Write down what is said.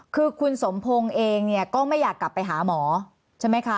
คือคุณสมพงศ์เองเนี่ยก็ไม่อยากกลับไปหาหมอใช่ไหมคะ